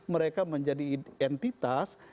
mereka menjadi entitas